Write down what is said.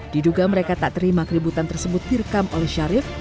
diduga mereka tak terima keributan tersebut direkam oleh syarif